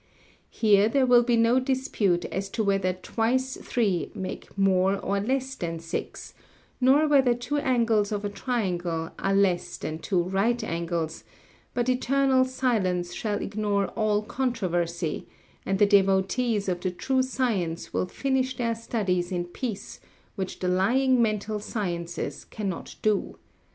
Here there will be no dispute as to whether twice three make more or less than six, nor whether two angles of a triangle are less than two right angles, but eternal silence shall ignore all controversy, and the devotees of the true science will finish their studies in peace, which the lying mental sciences cannot do.